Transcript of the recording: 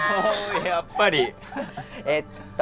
やっぱり・えっと